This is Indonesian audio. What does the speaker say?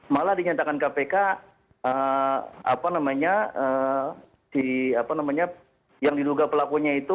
malah dinyatakan kpk apa namanya yang diduga pelakunya itu